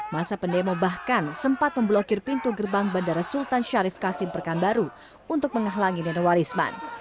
masa pendemo bahkan sempat memblokir pintu gerbang bandara sultan syarif kasim pekanbaru untuk menghalangi nenowarisman